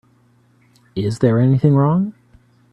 Is there anything wrong?